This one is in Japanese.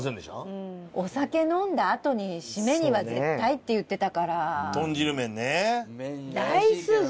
お酒飲んだあとにシメには絶対って言ってたから。